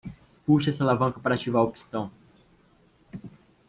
Puxe esta alavanca para ativar o pistão.